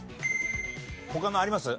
他のあります？